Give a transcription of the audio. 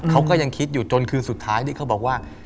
เขาก็ยังคิดอยู่จนคืนสุดท้ายที่เขาบอกว่า